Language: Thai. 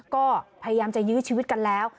ก็พยายามจะยื้อชีวิตกันแล้ว